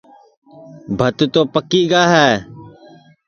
بھت تو پکی گا ہے